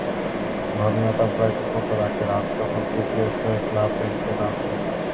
ঘটনাটা প্রায় দুবছর আগের, আলী তখন তৃতীয় স্তরের ক্লাব এমকে ডনসে।